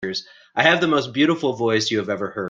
I have the most beautiful voice you have ever heard.